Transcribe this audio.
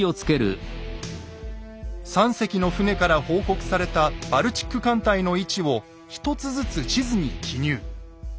３隻の船から報告されたバルチック艦隊の位置を一つずつ地図に記入。